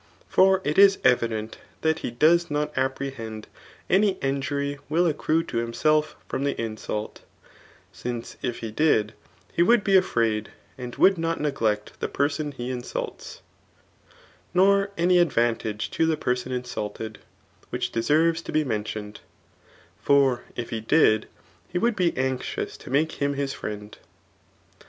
For it is evident that he does not apprehend any injury will accrue to himself from the insult ; since if he did, he would be a£raid, and would not neglect [the person he insults ;3 nor any advantage to the person insulted, which deserves to be mentioned ; for if he did, he would be anxious to make him his friend.